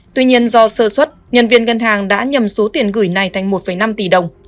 tuy nhiên do sơ xuất nhân viên ngân hàng đã nhầm số tiền gửi này thành một năm tỷ đồng